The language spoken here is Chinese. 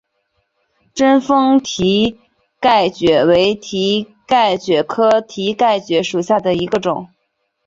贞丰蹄盖蕨为蹄盖蕨科蹄盖蕨属下的一个种。